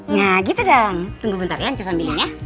nah gitu dong tunggu bentar ya ncus ambilin ya